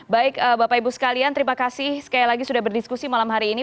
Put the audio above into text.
baik bapak ibu sekalian terima kasih sekali lagi sudah berdiskusi malam hari ini